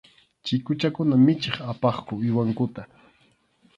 Chikuchakuna michiq apaqku uywankuta.